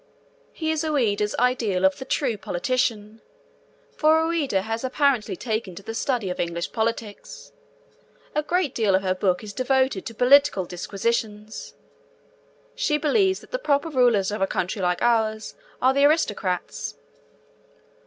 He is Ouida's ideal of the true politician, for Ouida has apparently taken to the study of English politics. A great deal of her book is devoted to political disquisitions. She believes that the proper rulers of a country like ours are the aristocrats.